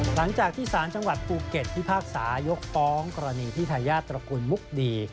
หลังจากที่สารจังหวัดภูเก็ตพิพากษายกฟ้องกรณีที่ทายาทตระกูลมุกดี